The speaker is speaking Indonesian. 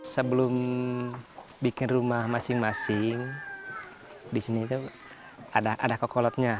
sebelum bikin rumah masing masing di sini itu ada kokolotnya